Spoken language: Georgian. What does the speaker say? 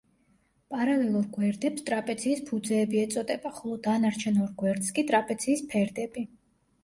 პარალელურ გვერდებს ტრაპეციის ფუძეები ეწოდება, ხოლო დანარჩენ ორ გვერდს კი ტრაპეციის ფერდები.